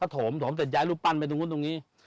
ถมถมเสร็จย้ายรูปปั้นไปตรงนู้นตรงนี้